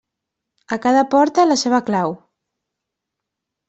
A cada porta, la seva clau.